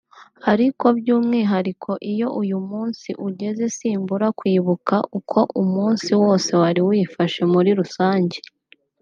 ariko by’umwihariko iyo uyu munsi ugeze simbura kwibuka uko umunsi wose wari wifashe muri rusange